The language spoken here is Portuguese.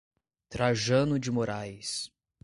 Trajano de Moraes